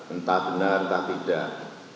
entah benar entah tidak